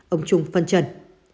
ông trung phân trần